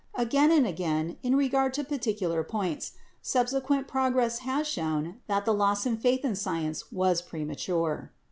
Again and again, in regard to particular points, subsequent progress has shown that the loss of faith in science was premature.